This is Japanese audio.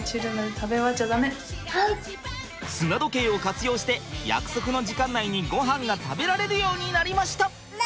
砂時計を活用して約束の時間内にごはんが食べられるようになりました！